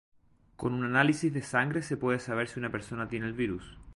Con un análisis de sangre se puede saber si una persona tiene el virus.